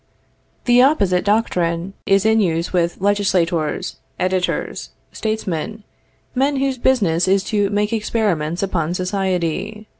The opposite doctrine is in use with legislators, editors, statesmen, men whose business is to make experiments upon society.